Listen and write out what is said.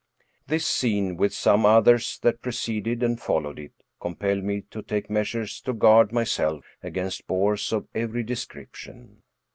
This scene, with some others that preceded and followed it, compelled me to take measures to guard myself against bores of every description.